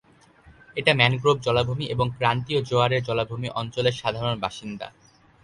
এটা ম্যানগ্রোভ জলাভূমি এবং ক্রান্তীয় জোয়ারের জলাভূমি অঞ্চলের সাধারণ বাসিন্দা।